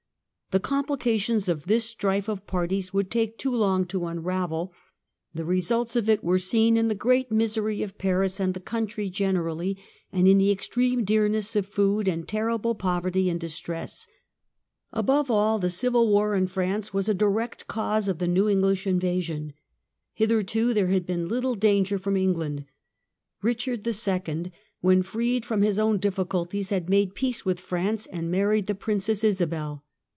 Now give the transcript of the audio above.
The complications of this strife of parties would take too long to unravel ; the results of it were seen in the great misery of Paris and the country generally, and in the ex treme dearness of food and terrible poverty and distress. Above all the civil war in France was a direct cause of the Relations new English invasion. Hitherto there had been little land °^ danger from England. Eichard II., when freed from his own difficulties, had made peace with France and married the Princess Isabel.